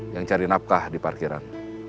yang cari nafkah di parkiran